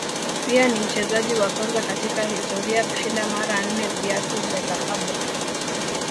pia ni mchezaji wa kwanza katika historia kushinda mara nne viatu vya dhahabu